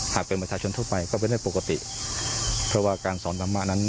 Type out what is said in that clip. หากเป็นประชาชนทั่วไปก็เป็นเรื่องปกติเพราะว่าการสอนธรรมะนั้น